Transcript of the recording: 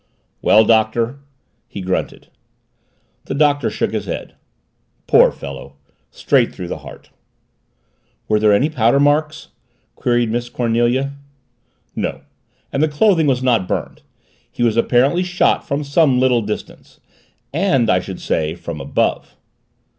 "Well, Doctor?" he grunted. The Doctor shook his head "Poor fellow straight through the heart." "Were there any powder marks?" queried Miss Cornelia. "No and the clothing was not burned. He was apparently shot from some little distance and I should say from above."